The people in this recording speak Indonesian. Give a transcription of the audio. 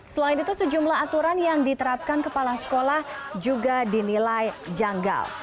selain itu sejumlah aturan yang diterapkan kepala sekolah juga dinilai janggal